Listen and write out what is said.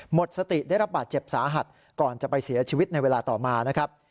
หมดสติได้รับบาดเจ็บสาหัสก่อนจะไปเสียชีวิตในเวลาต่อมานะครับ